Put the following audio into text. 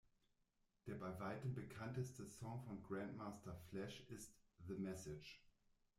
Der bei weitem bekannteste Song von Grandmaster Flash ist "The Message".